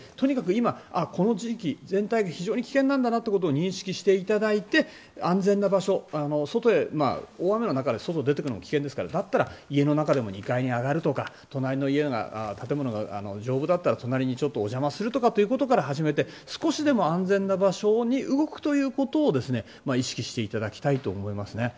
今、この地域全体が非常に危険なんだなということを認識していただいて安全な場所外へ大雨の中で外に出ていくのも危険ですのでだったら、家の中でも２階に上がるとか隣の家が建物が丈夫だったら隣にちょっとお邪魔するとかということから始めて少しでも安全な場所に動くということを意識していただきたいと思いますね。